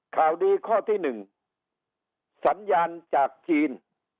ข่าวดีข้อที่๑สัญญาณจากจีน